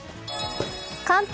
関東